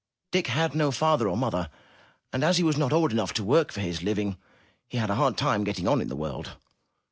Dick had no father or mother and, as he was not old enough to work for his living, he had a hard time getting on in the world.